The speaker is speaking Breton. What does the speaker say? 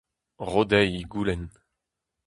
Ro dezhi he goulenn.